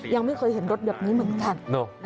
ยังไม่เคยเห็นรถแบบนี้เหมือนกัน